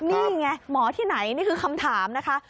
นี่ไงหมอที่ไหนนี่คือคำถามนะคะ